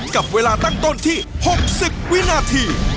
กับเวลาตั้งต้นที่๖๐วินาที